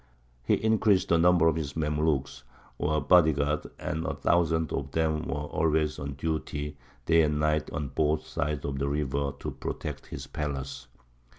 He increased the number of his mamlūks, or body guard, and a thousand of them were always on duty day and night on both sides of the river to protect his palace.